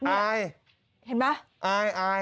อายเห็นไหมอาย